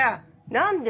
「何で？